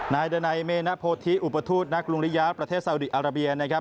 นายดานัยเมณโพธิอุปทูตณกรุงริยาประเทศสาวดีอาราเบียนะครับ